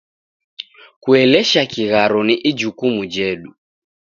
Kuelesha kigharo ni ijukumu jedu.